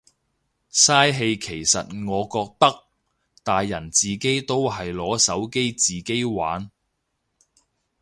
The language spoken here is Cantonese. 嘥氣其實我覺得，大人自己都係攞手機自己玩。